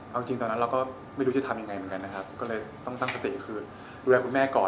เอาจริงตอนนั้นเราก็ไม่รู้จะทำยังไงเหมือนกันนะครับก็เลยต้องตั้งสติคืนดูแลคุณแม่ก่อน